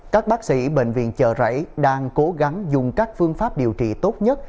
các bác sĩ bệnh viện chợ rẫy đang cố gắng dùng các phương pháp điều trị tốt nhất